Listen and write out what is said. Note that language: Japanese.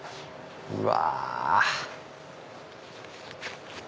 うわ！